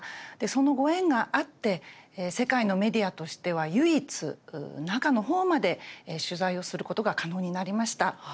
そのご縁があって世界のメディアとしては唯一中のほうまで取材をすることが可能になりました。